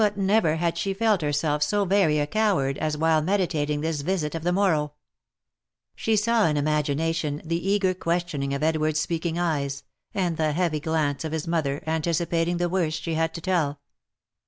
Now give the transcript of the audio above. But never had she felt herself so very a coward as while meditating this visit of the morrow. She saw in imagination the eager questioning of Edward's speaking eyes, and the heavy glance of his mother, anticipating the worst she had to tell.